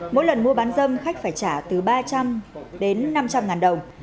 mỗi lần mua bán dâm khách phải trả từ ba trăm linh đến năm trăm linh ngàn đồng